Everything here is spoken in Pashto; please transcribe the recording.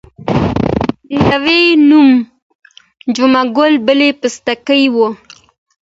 د یوه نوم جمعه ګل بل پستکی وو.